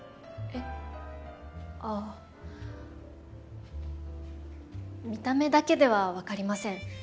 あ見た目だけでは分かりません。